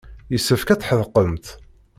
Yessefk ad tḥedqemt.